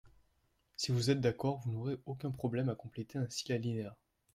Si vous êtes d’accord, vous n’aurez aucun problème à compléter ainsi l’alinéa.